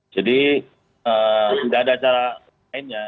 jadi tidak ada cara lain ya